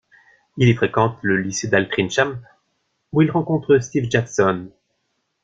Il y fréquente le lycée d'Altrincham où il rencontre Steve Jackson.